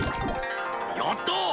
やった！